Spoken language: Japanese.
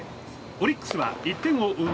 オリックスは１点を追う